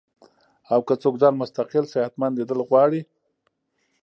او کۀ څوک ځان مستقل صحتمند ليدل غواړي